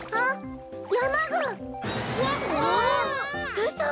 うそ！？